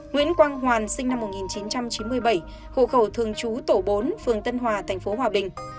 nguyễn quang hoàn sinh năm một nghìn chín trăm chín mươi bảy hộ khẩu thường trú tổ bốn phường tân hòa tp hòa bình